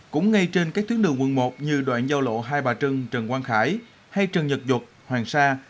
cũng ngay trên các tuyến đường quận một như đoạn giao lộ hai bà trưng trần quang khải hay trần nhật duật hoàng sa